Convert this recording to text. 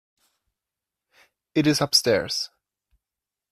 It is upstairs.